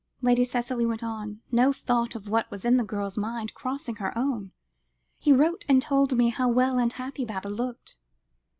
Lady Cicely went on, no thought of what was in the girl's mind crossing her own; "he wrote and told me how well and happy Baba looked."